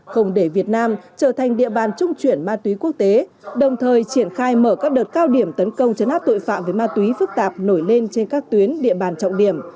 không để việt nam trở thành địa bàn trung chuyển ma túy quốc tế đồng thời triển khai mở các đợt cao điểm tấn công chấn áp tội phạm với ma túy phức tạp nổi lên trên các tuyến địa bàn trọng điểm